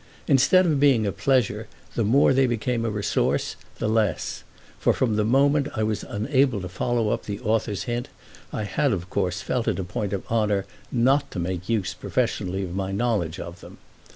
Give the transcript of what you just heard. Instead of being a pleasure the more they became a resource the less; for from the moment I was unable to follow up the author's hint I of course felt it a point of honour not to make use professionally of my knowledge of them.